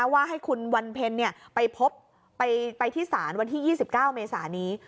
ว่าให้คุณวันเพลินเนี้ยไปพบไปไปที่สารวันที่ยี่สิบเก้าเมษานี้